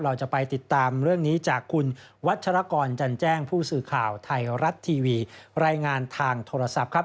เราจะไปติดตามเรื่องนี้จากคุณวัชรกรจันแจ้งผู้สื่อข่าวไทยรัฐทีวีรายงานทางโทรศัพท์ครับ